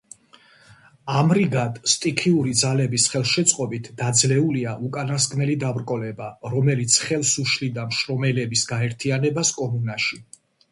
ამრიგად, სტიქიური ძალების ხელშეწყობით დაძლეულია უკანასკნელი დაბრკოლება, რომელიც ხელს უშლიდა მშრომელების გაერთიანებას კომუნაში.